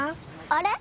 あれ？